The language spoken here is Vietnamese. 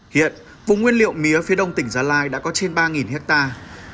hiện vùng nguyên liệu mía phía đông tỉnh gia lai đã có trên ba hectare